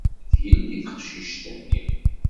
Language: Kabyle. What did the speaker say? D yelli teqcict-nni.